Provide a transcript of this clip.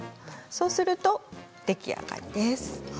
そうすると出来上がりです。